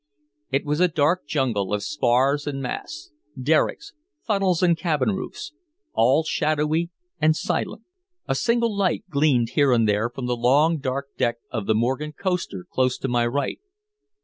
It was a dark jumble of spars and masts, derricks, funnels and cabin roofs, all shadowy and silent. A single light gleamed here and there from the long dark deck of the Morgan coaster close to my right.